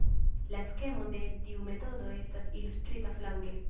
La skemo de tiu metodo estas ilustrita flanke.